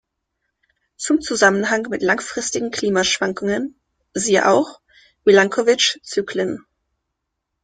Zum Zusammenhang mit langfristigen Klimaschwankungen siehe auch Milanković-Zyklen.